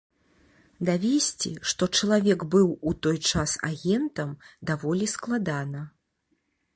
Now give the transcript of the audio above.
Давесці, што чалавек быў у той час агентам, даволі складана.